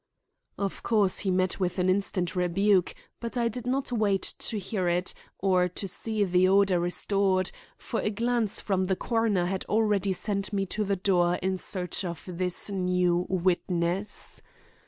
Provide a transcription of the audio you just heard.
Of course he met with an instant rebuke, but I did not wait to hear it, or to see order restored, for a glance from the coroner had already sent me to the door in search of this new witness.